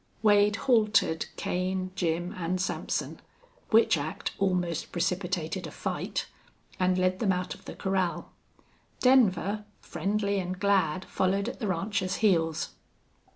Wade haltered Kane, Jim, and Sampson, which act almost precipitated a fight, and led them out of the corral. Denver, friendly and glad, followed at the rancher's heels.